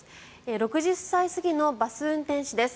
６０歳過ぎのバス運転手です。